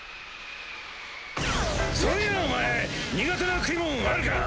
そういやお前苦手な食い物あるか？